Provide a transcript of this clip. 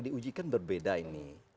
diujikan berbeda ini